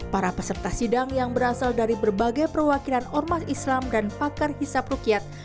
para peserta sidang yang berasal dari berbagai perwakilan ormas islam dan pakar hisap rukyat